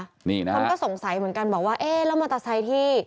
นี่นะคนก็สงสัยเหมือนกันบอกว่าเอ๊ะแล้วมอเตอร์ไซค์ที่